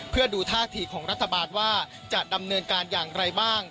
เพื่อดูท่าทีของรัฐบาลว่าจะดำเนินการอย่างไรบ้าง